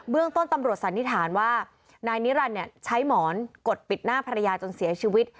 เรื่องต้นตำรวจสันนิษฐานว่านายนิรันดิ์ใช้หมอนกดปิดหน้าภรรยาจนเสียชีวิต